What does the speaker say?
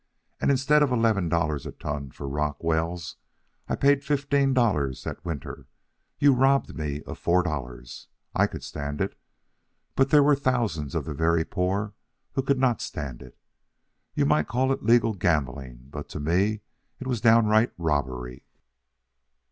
And instead of eleven dollars a ton for Rock Wells, I paid fifteen dollars that winter. You robbed me of four dollars. I could stand it. But there were thousands of the very poor who could not stand it. You might call it legal gambling, but to me it was downright robbery."